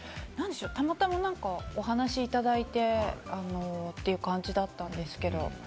たまたま、お話をいただいてという感じだったんですけれども。